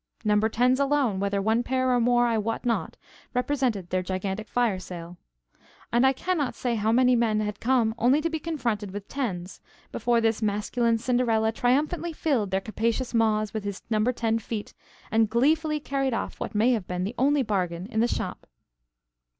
Number tens alone, whether one pair or more, I wot not, represented their gigantic fire sale. And I can not say how many men had come only to be confronted with tens, before this masculine Cinderella triumphantly filled their capacious maws with his number ten feet, and gleefully carried off what may have been the only bargain in the shop.